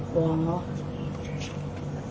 กวงเนาะ